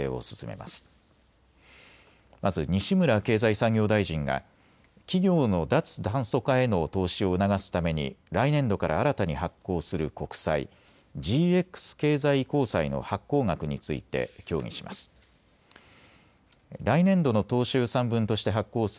まず西村経済産業大臣が企業の脱炭素化への投資を促すために来年度から新たに発行する国債、ＧＸ経済移行債の発行額について協議します。